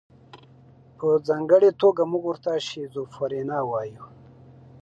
په ځانګړې توګه موږ ورته شیزوفرنیا وایو.